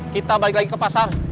kita balik lagi ke pasar